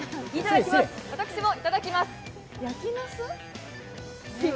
私もいただきます。